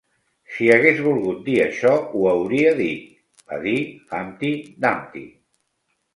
"Si hagués volgut dir això, ho hauria dit", va dir Humpty Dumpty.